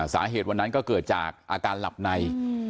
วันนั้นก็เกิดจากอาการหลับใน